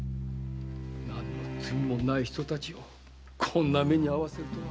罪もない人たちをこんな目にあわせるとは。